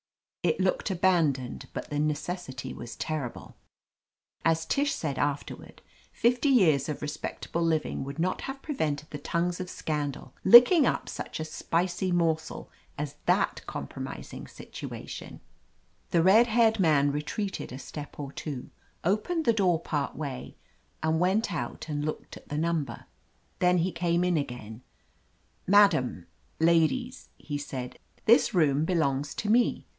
It looked abandoned, but the necessity was terrible. As Tish said afterward, fifty years of respectable living would not have prevented the tongue of scan dal licking up such a spicy morsel as that com promising situation. 266 OF LETITIA CARBERRY The red haired man retreated a step or two, opened the door part way, and went out and looked at the number. Then he came in again. "Madam — ladies," he said, "this room be longs to me.